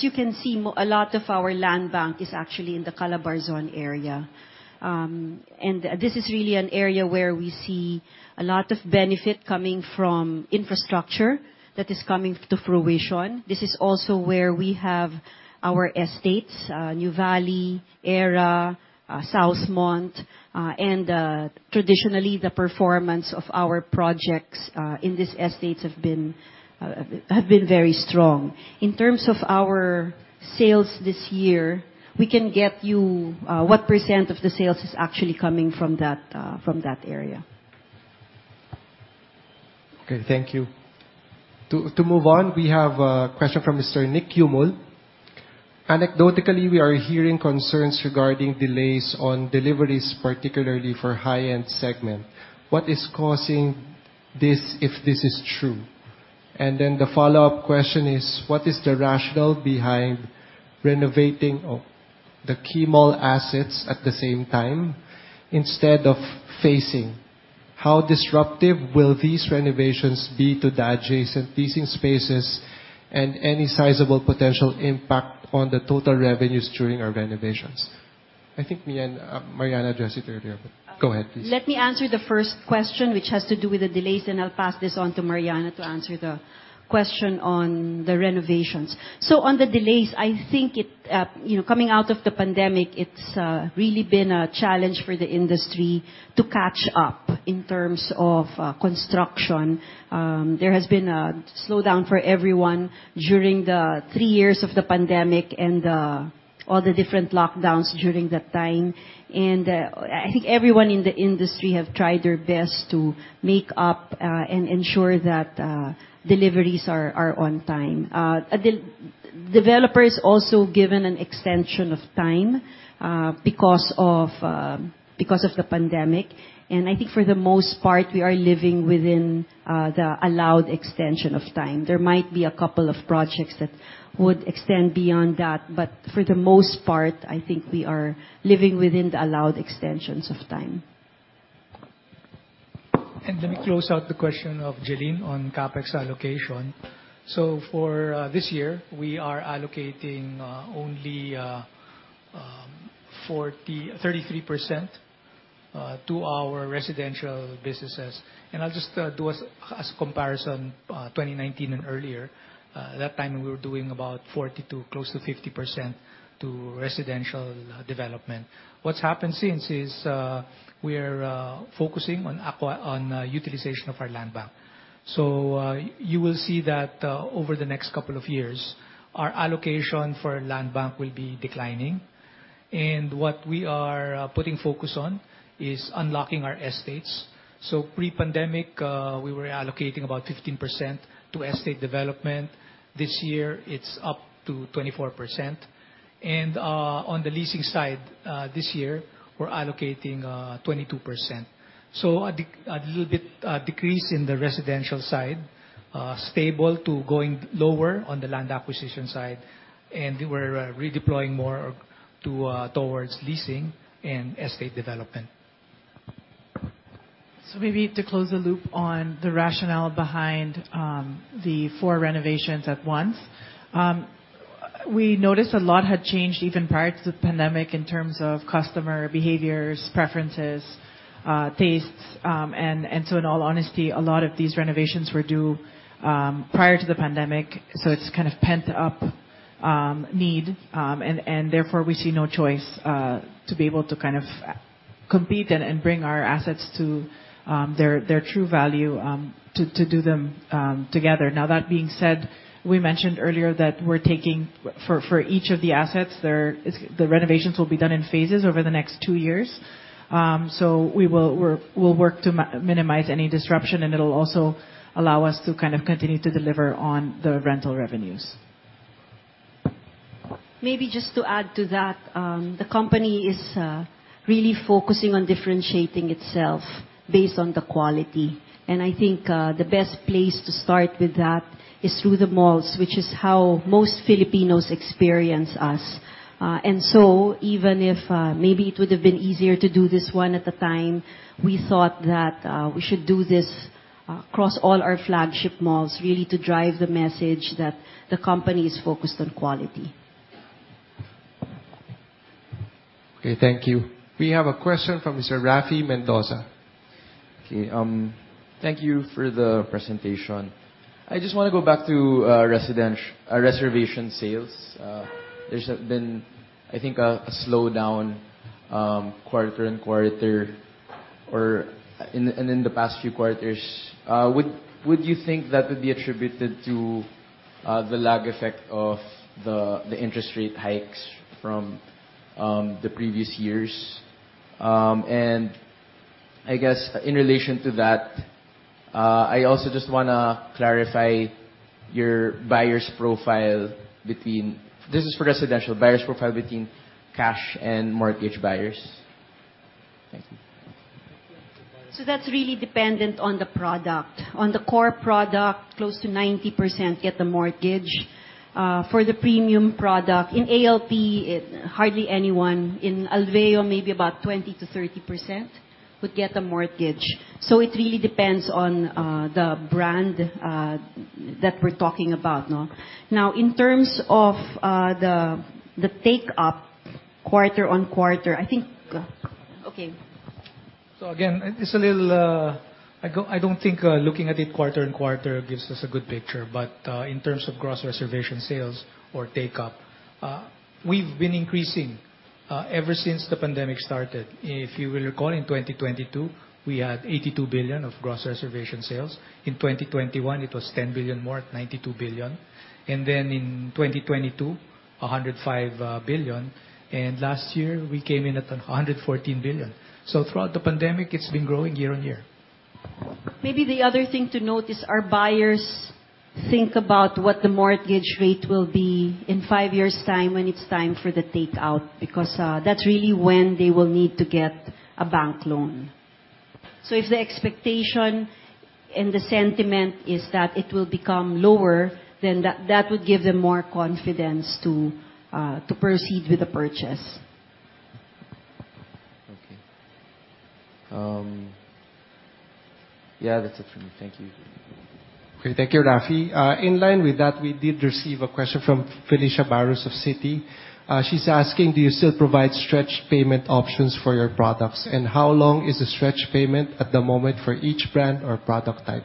you can see, a lot of our land bank is actually in the Calabarzon area. This is really an area where we see a lot of benefit coming from infrastructure that is coming to fruition. This is also where we have our estates Nuvali, Aéra, Southmont and traditionally, the performance of our projects in these estates have been very strong. In terms of our sales this year, we can get you what % of the sales is actually coming from that area. Okay, thank you. To move on, we have a question from Mr. Nick Yumul. Anecdotally, we are hearing concerns regarding delays on deliveries, particularly for high-end segment. What is causing this, if this is true? What is the rationale behind renovating the key mall assets at the same time instead of phasing? How disruptive will these renovations be to the adjacent leasing spaces and any sizable potential impact on the total revenues during our renovations? I think Mian and Mariana addressed it earlier, but go ahead, please. Let me answer the first question, which has to do with the delays, and I'll pass this on to Mariana to answer the question on the renovations. On the delays, I think coming out of the pandemic, it's really been a challenge for the industry to catch up in terms of construction. There has been a slowdown for everyone during the three years of the pandemic and all the different lockdowns during that time. I think everyone in the industry have tried their best to make up and ensure that deliveries are on time. Developers also given an extension of time because of the pandemic. I think for the most part, we are living within the allowed extension of time. There might be a couple of projects that would extend beyond that, but for the most part, I think we are living within the allowed extensions of time. Let me close out the question of Jelline on CapEx allocation. For this year, we are allocating only 33% to our residential businesses. I'll just do as a comparison 2019 and earlier. That time, we were doing about 42%, close to 50% to residential development. What's happened since is we are focusing on utilization of our land bank. You will see that over the next couple of years, our allocation for land bank will be declining. What we are putting focus on is unlocking our estates. Pre-pandemic, we were allocating about 15% to estate development. This year it's up to 24%. On the leasing side, this year we're allocating 22%. A little bit decrease in the residential side, stable to going lower on the land acquisition side. We're redeploying more towards leasing and estate development. Maybe to close the loop on the rationale behind the 4 renovations at once. We noticed a lot had changed even prior to the pandemic in terms of customer behaviors, preferences, tastes. In all honesty, a lot of these renovations were due prior to the pandemic. It's kind of pent-up need, and therefore, we see no choice to be able to compete and bring our assets to their true value to do them together. That being said, we mentioned earlier that for each of the assets, the renovations will be done in phases over the next 2 years. We'll work to minimize any disruption, and it'll also allow us to continue to deliver on the rental revenues. Maybe just to add to that, the company is really focusing on differentiating itself based on the quality. I think the best place to start with that is through the malls, which is how most Filipinos experience us. Even if maybe it would've been easier to do this 1 at a time, we thought that we should do this across all our flagship malls, really to drive the message that the company is focused on quality. Thank you. We have a question from Mr. Raffy Mendoza. Thank you for the presentation. I just want to go back to reservation sales. There's been a slowdown quarter-on-quarter or in the past few quarters. Would you think that would be attributed to the lag effect of the interest rate hikes from the previous years? I guess in relation to that, I also just want to clarify your buyers profile between, this is for residential, buyers profile between cash and mortgage buyers. Thank you. That's really dependent on the product. On the core product, close to 90% get the mortgage. For the premium product in ALP, hardly anyone. In Alveo, maybe about 20%-30% would get a mortgage. It really depends on the brand that we're talking about. In terms of the take-up quarter-on-quarter, Okay. Again, I don't think looking at it quarter-on-quarter gives us a good picture. In terms of gross reservation sales or take-up, we've been increasing ever since the pandemic started. If you will recall, in 2022, we had 82 billion of gross reservation sales. In 2021, it was 10 billion more at 92 billion. Then in 2022, 105 billion. Last year we came in at 114 billion. Throughout the pandemic, it's been growing year-on-year. Maybe the other thing to note is our buyers think about what the mortgage rate will be in five years' time when it's time for the takeout, because that's really when they will need to get a bank loan. If the expectation and the sentiment is that it will become lower, that would give them more confidence to proceed with the purchase. Okay. Yeah, that's it for me. Thank you. Okay. Thank you, Raffy. In line with that, we did receive a question from Felicia Barrows of Citi. She is asking, do you still provide stretch payment options for your products? How long is the stretch payment at the moment for each brand or product type?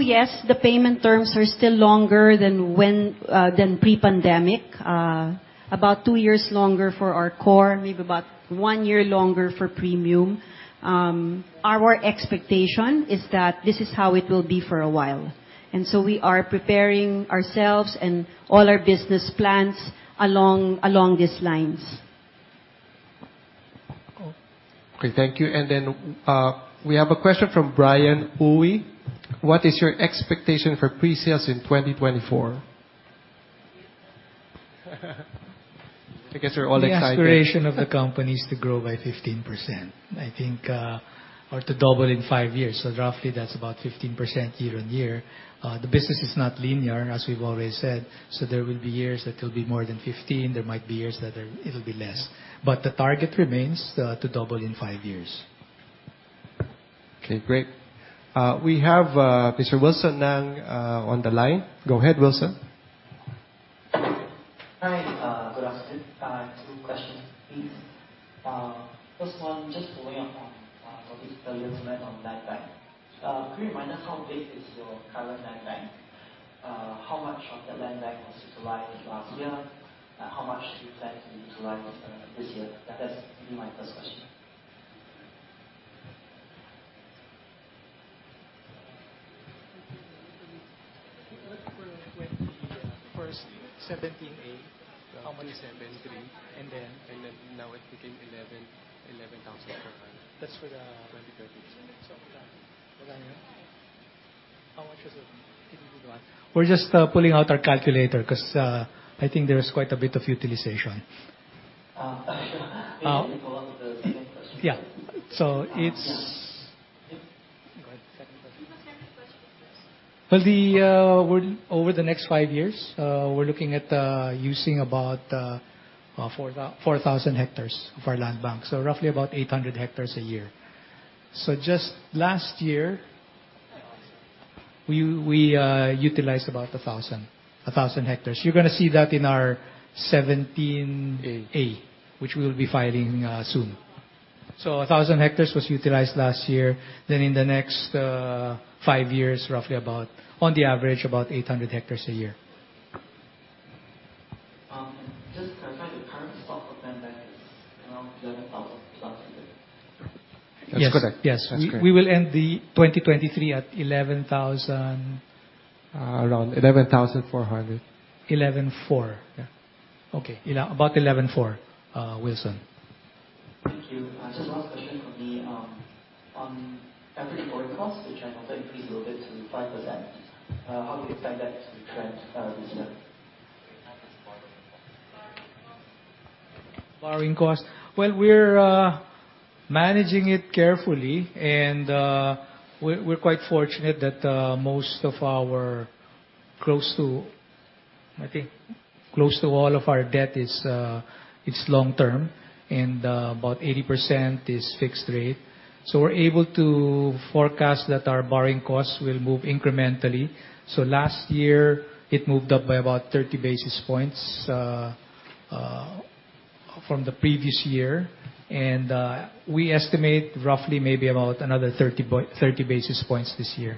Yes, the payment terms are still longer than pre-pandemic, about two years longer for our core, maybe about one year longer for premium. Our expectation is that this is how it will be for a while. We are preparing ourselves and all our business plans along these lines. Okay, thank you. We have a question from Brian Ui. What is your expectation for pre-sales in 2024? I guess we're all excited. The aspiration of the company is to grow by 15%, I think, or to double in five years. Roughly, that's about 15% year on year. The business is not linear, as we've always said. There will be years that it'll be more than 15. There might be years that it'll be less. The target remains to double in five years. Okay, great. We have Mr. Wilson Nang on the line. Go ahead, Wilson. Hi, good afternoon. Two questions, please. First one, just following up on what was earlier said on land bank. Could you remind us how big is your current land bank? How much of that land bank was utilized last year? How much do you plan to utilize this year? That is my first question. For 2020, first 17A. How many? Seven three. And then? Now it became 11,400. That's for the- 2030. How much was it? Can you read the last? We're just pulling out our calculator because I think there is quite a bit of utilization. Sure. Maybe you can go on with the second question. Yeah. Go ahead. Second question. Give us second question first. Over the next five years, we're looking at using about 4,000 hectares of our land bank. Roughly about 800 hectares a year. Just last year, we utilized about 1,000 hectares. You're going to see that in our 17A, which we'll be filing soon. 1,000 hectares was utilized last year. In the next five years, roughly about, on the average, about 800 hectares a year. Just to clarify, the current stock of land bank is around 11,000 last year? That's correct. Yes. That's correct. We will end the 2023 at PHP 11,000. Around PHP 11,400. 11.4. Yeah. Okay. About 11.4, Wilson. Thank you. Just one last question from me. On average borrowing cost, which I know increased a little bit to 5%. How do you expect that to trend this year? Borrowing cost. Borrowing cost. Well, we're managing it carefully, and we're quite fortunate that most of our, close to all of our debt is long-term, and about 80% is fixed rate. We're able to forecast that our borrowing costs will move incrementally. Last year, it moved up by about 30 basis points from the previous year. We estimate roughly maybe about another 30 basis points this year.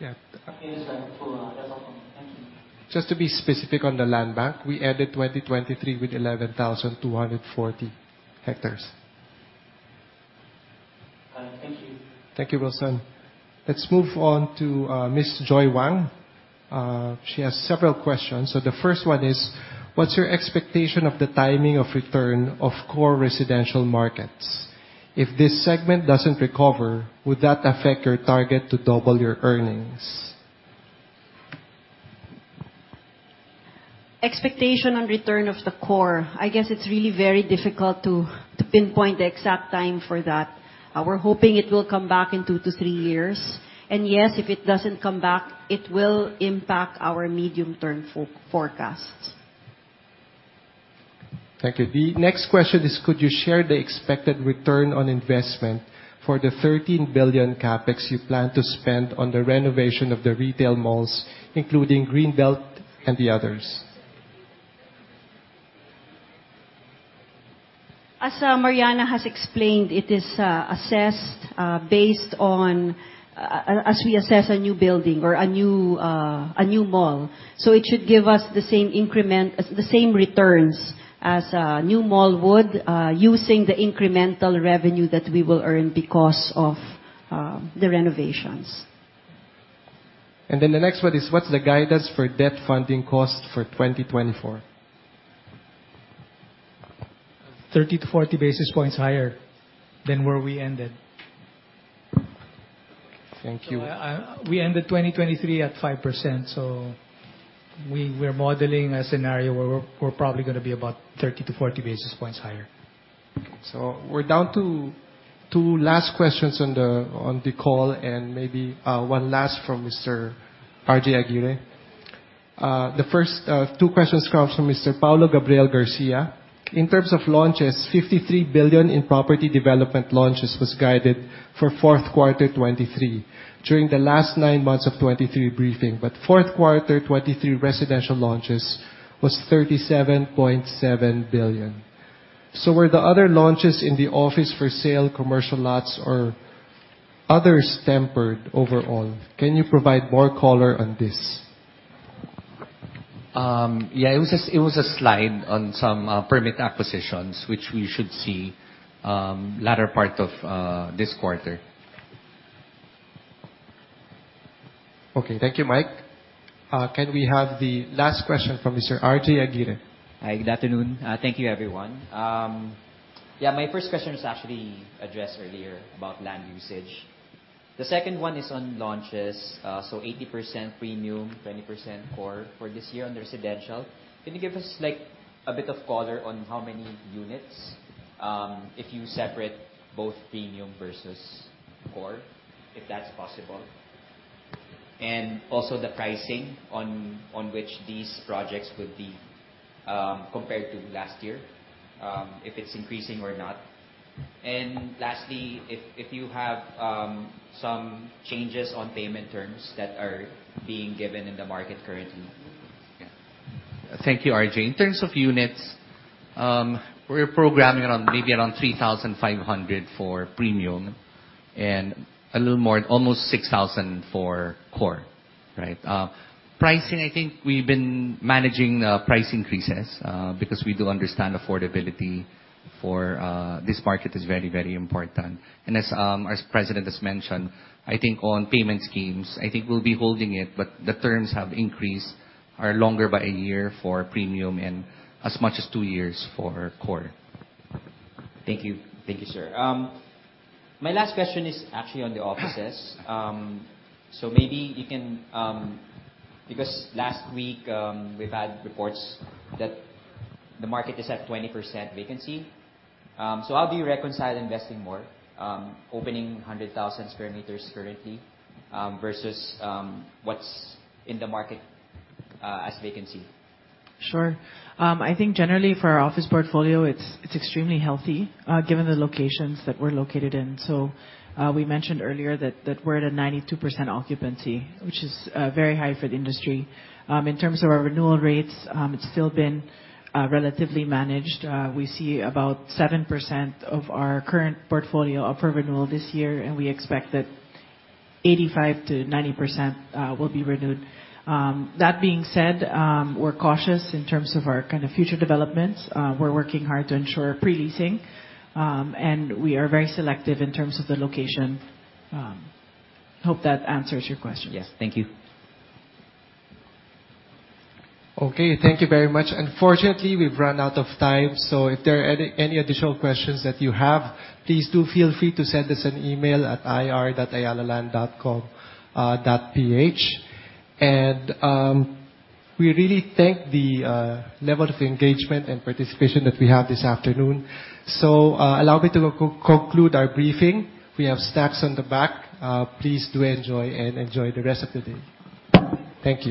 Yeah. Okay. Just to follow that one up. Thank you. Just to be specific on the land bank, we ended 2023 with 11,240 hectares. Thank you. Thank you, Wilson. Let's move on to Ms. Joy Wang. She has several questions. The first one is: What's your expectation of the timing of return of core residential markets? If this segment doesn't recover, would that affect your target to double your earnings? Expectation on return of the core, I guess it's really very difficult to pinpoint the exact time for that. We're hoping it will come back in two to three years. Yes, if it doesn't come back, it will impact our medium-term forecasts. Thank you. The next question is, could you share the expected return on investment for the 13 billion CapEx you plan to spend on the renovation of the retail malls, including Greenbelt and the others? As Mariana has explained, it is assessed based on as we assess a new building or a new mall. It should give us the same returns as a new mall would, using the incremental revenue that we will earn because of the renovations. The next one is, what's the guidance for debt funding cost for 2024? 30 to 40 basis points higher than where we ended. Thank you. We ended 2023 at 5%. We're modeling a scenario where we're probably going to be about 30 to 40 basis points higher. We're down to two last questions on the call. Maybe one last from Mr. RJ Aguirre. The first two questions come from Mr. Paulo Gabriel Garcia. In terms of launches, 53 billion in property development launches was guided for fourth quarter 2023 during the last nine months of 2023 briefing. Fourth quarter 2023 residential launches was 37.7 billion. Were the other launches in the office for sale commercial lots or others tempered overall? Can you provide more color on this? It was a slide on some permit acquisitions, which we should see latter part of this quarter. Thank you, Mike. Can we have the last question from Mr. RJ Aguirre? Hi, good afternoon. Thank you, everyone. My first question was actually addressed earlier about land usage. The second one is on launches. 80% premium, 20% core for this year on residential. Can you give us a bit of color on how many units, if you separate both premium versus core, if that's possible? Also the pricing on which these projects would be compared to last year, if it's increasing or not. Lastly, if you have some changes on payment terms that are being given in the market currently. Thank you, RJ. In terms of units, we're programming around maybe around 3,500 for premium and a little more, almost 6,000 for core. Right. Pricing, I think we've been managing price increases because we do understand affordability for this market is very important. As our president has mentioned, I think on payment schemes, I think we'll be holding it, but the terms have increased are longer by a year for premium and as much as two years for core. Thank you. Thank you, sir. My last question is actually on the offices. Because last week we've had reports that the market is at 20% vacancy. How do you reconcile investing more, opening 100,000 square meters currently, versus what's in the market as vacancy? Sure. I think generally for our office portfolio, it's extremely healthy given the locations that we're located in. We mentioned earlier that we're at a 92% occupancy, which is very high for the industry. In terms of our renewal rates, it's still been relatively managed. We see about 7% of our current portfolio up for renewal this year, and we expect that 85%-90% will be renewed. That being said, we're cautious in terms of our future developments. We're working hard to ensure pre-leasing, and we are very selective in terms of the location. Hope that answers your question. Yes. Thank you. Okay. Thank you very much. Unfortunately, we've run out of time, so if there are any additional questions that you have, please do feel free to send us an email at ir.ayalaland.com.ph. We really thank the level of engagement and participation that we have this afternoon. Allow me to conclude our briefing. We have snacks on the back. Please do enjoy, and enjoy the rest of the day. Thank you